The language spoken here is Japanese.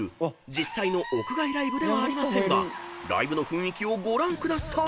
［実際の屋外ライブではありませんがライブの雰囲気をご覧ください］